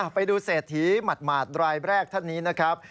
ไปดูเศรษฐีหมาดรายแรกท่านนี้นะครับ